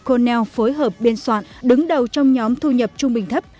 cornell phối hợp biên soạn đứng đầu trong nhóm thu nhập trung bình thấp